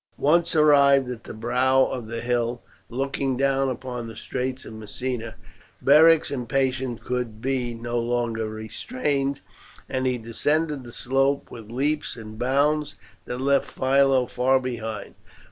Once arrived at the brow of the hill, looking down upon the Straits of Messina, Beric's impatience could be no longer restrained, and he descended the slope with leaps and bounds that left Philo far behind.